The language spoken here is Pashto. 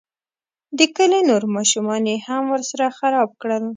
د کلي نور ماشومان یې هم ورسره خراب کړل.